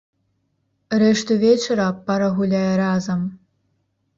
Рэшту вечара пара гуляе разам.